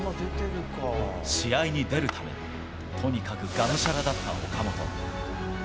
試合に出るため、とにかくがむしゃらだった岡本。